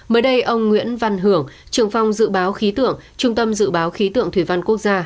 mới đây ông nguyễn văn hưởng trưởng phòng dự báo khí tượng trung tâm dự báo khí tượng thủy văn quốc gia